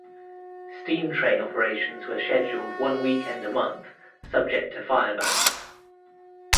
Steam train operations were scheduled one weekend a month subject to fire bans.